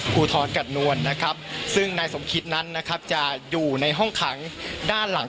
ภูทรกัดนวลนะครับซึ่งนายสมคิดนั้นนะครับจะอยู่ในห้องขังด้านหลัง